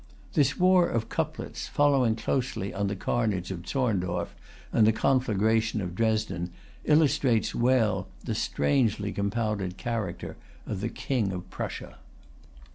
This war of couplets, following close on the carnage of Zorndorf and the conflagration of Dresden, illustrates well the strangely compounded character of the King of Prussia.